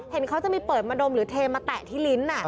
เห็นเขาจะมีเปิดมาดมหรือเทมาแตะที่ลิ้น